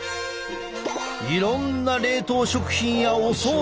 いろんな冷凍食品やお総菜。